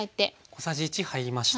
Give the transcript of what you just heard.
小さじ１入りました。